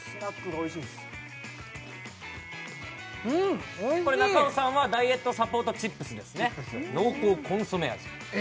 おいしいこれ中尾さんはダイエットサポートチップスですね濃厚コンソメ味え